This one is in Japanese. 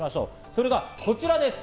それがこちらです。